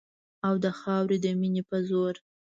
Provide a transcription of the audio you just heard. او د خاورې د مینې په زور